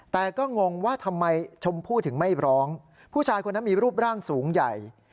แต่ก็งงว่าทำไมชมพู่ถึงไม่ร้องผู้ชายคนนั้นมีรูปร่างสูงใหญ่